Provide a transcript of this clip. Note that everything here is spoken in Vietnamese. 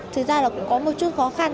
thực ra là cũng có một chút khó khăn